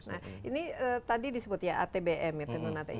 nah ini tadi disebut ya atbm ya teman teman